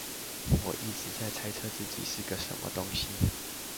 我一直在猜測自己是個什麼東西